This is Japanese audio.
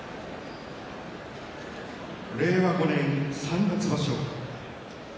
令和５年三月場所